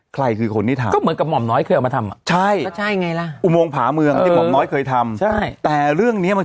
ใครคือคนที่ทำก็เหมือนกับหม่อมน้อยเคยเอามาทำอ่ะใช่ไงล่ะอุโมงผาเมืองที่หม่อมน้อยเคยทำใช่แต่เรื่องเนี้ยมัน